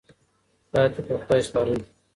پاتې په خدای سپارئ.